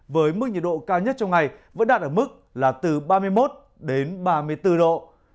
với mức nhiệt độ cao nhất trong ngày vẫn đạt ở mức là từ ba mươi một đến ba mươi bốn độ